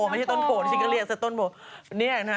ไม่ใช่ต้นโผล่ไม่ใช่กะเรียกแต่ต้นโผล่